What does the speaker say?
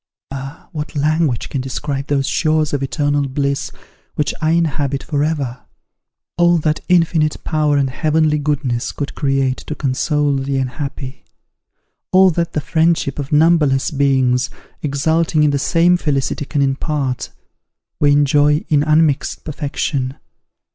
Ah! what language can describe these shores of eternal bliss, which I inhabit for ever! All that infinite power and heavenly goodness could create to console the unhappy: all that the friendship of numberless beings, exulting in the same felicity can impart, we enjoy in unmixed perfection.